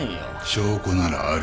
証拠ならある。